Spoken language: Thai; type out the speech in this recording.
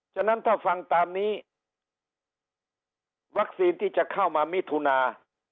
ฉะนั้นถ้าฟังตามนี้วัคซีนที่จะเข้ามามิถุนา